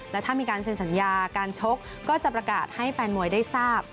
และถ้ามีการเซ็นสัญญาการชกก็จะประกาศให้แฟนมวยได้ทราบ